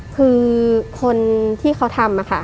คือคนที่เขาทำค่ะ